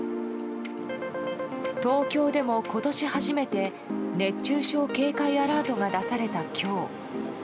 東京でも今年初めて熱中症警戒アラートが出された今日。